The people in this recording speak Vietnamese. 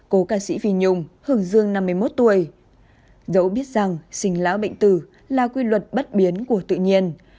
cố ca sĩ vi nhung hưởng dương năm mươi một tuổi dẫu biết rằng xình lão bệnh tử là quy luật bất biến của tự nhiên